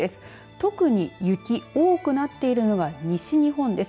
特に雪、多くなっているのが西日本です。